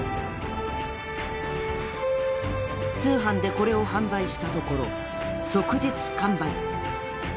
通販でこれを販売したところ即日完売